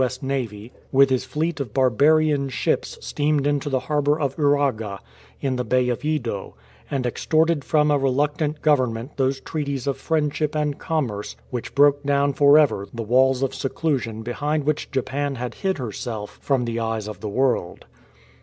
S. Navy, with his fleet of " barbarian " ships steamed into the harbour of Uraga, in the Bay of Yedo, and extorted from a reluctant Government those treaties of friendship and commerce which broke down for ever the walls of seclusion behind which Japan had hid herself from the eyes of the world.